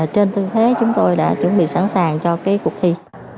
trên tư thế chúng tôi đã chuẩn bị sẵn sàng cho cuộc thi